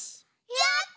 やった！